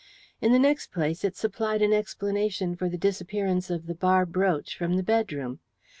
In the next place, it supplied an explanation for the disappearance of the bar brooch from the bedroom.